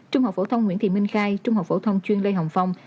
trung học phổ thông nguyễn thị minh khai trung học phổ thông chuyên lê hồng phong